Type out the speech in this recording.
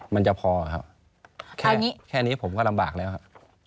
มันจะพอครับแค่นี้แค่นี้ผมก็ลำบากแล้วครับ